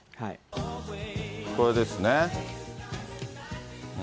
これですね。